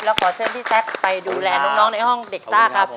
แล้วขอเชิญพี่แซคไปดูแลน้องในห้องเด็กซ่าครับ